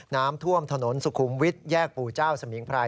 น้ำท่วมถนนสุขุมวิทย์แยกปู่เจ้าสมิงพราย